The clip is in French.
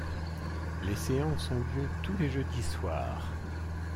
Les séances ont lieu tous les jeudis soirs.